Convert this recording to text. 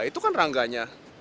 itu kan rangganya